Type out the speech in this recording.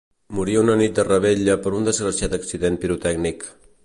Morí una nit de revetlla per un desgraciat accident pirotècnic.